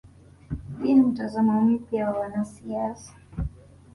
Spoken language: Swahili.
pia mtazamo mpya wa wanasiasa